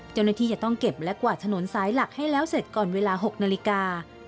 เจ้าหน้าที่จะต้องเก็บและกวาดถนนสายหลักให้แล้วเสร็จก่อนเวลา๖นาฬิกา